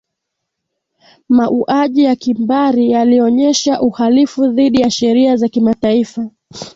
mauaji ya kimbari yalionyesha uhalifu dhidi ya sheria za kimataifa